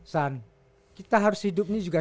san kita harus hidupnya